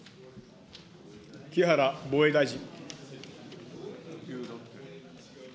木原防衛大臣。